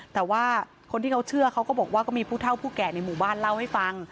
แต่ว่าคนที่เขาเชื่อเขาก็บอกว่าก็มีผู้เท่าผู้แก่ในหมู่บ้านเล่าให้ฟัง